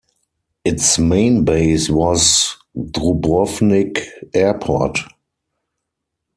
Its main base was Dubrovnik Airport.